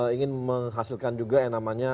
ingin menghasilkan juga yang namanya